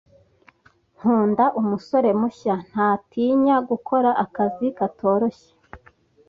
Nkunda umusore mushya. Ntatinya gukora akazi katoroshye.